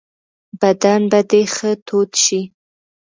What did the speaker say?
بدن به دي ښه تود شي .